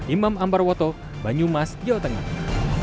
imam ambar woto banyumas jawa tenggara